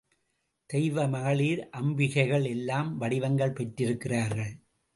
தெய்வ மகளிர் அம்பிகைகள் எல்லாம் வடிவங்கள் பெற்றிருக்கிறார்கள்.